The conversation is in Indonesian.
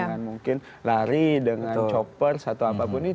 dengan mungkin lari dengan choppers atau apapun itu